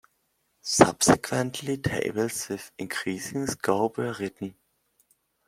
Subsequently, tables with increasing scope were written.